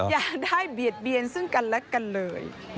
อย่าได้เบียดเบียนซึ่งกันและกันเลย